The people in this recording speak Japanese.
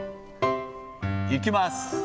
いきます。